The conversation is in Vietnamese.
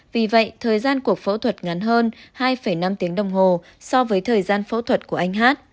vì vậy thời gian của phẫu thuật ngắn hơn hai năm tiếng đồng hồ so với thời gian phẫu thuật của anh hát